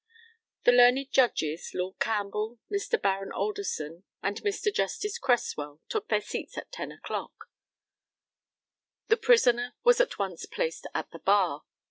The learned Judges, Lord Campbell, Mr. Baron Alderson, and Mr. Justice Cresswell, took their seats at ten o'clock. The prisoner was at once placed at the bar.